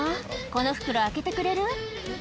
この袋、開けてくれる？